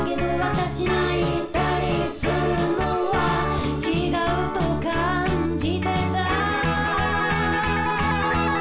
「私泣いたりするのは違うと感じてた」